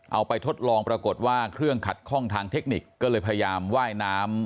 เอาไปทดลองปรากฏว่าเครื่องขัดข้องทางเทคนิคก็เลยพยายามว่ายน้ำ